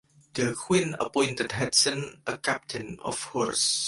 The Queen appointed Hudson a Captain of Horse.